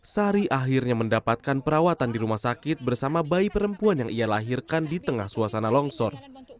sari akhirnya mendapatkan perawatan di rumah sakit bersama bayi perempuan yang ia lahirkan di tengah suasana longsor